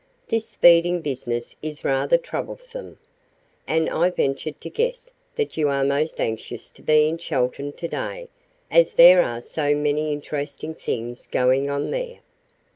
This speeding business is rather troublesome, and I ventured to guess that you are most anxious to be in Chelton to day, as there are so many interesting things going on there."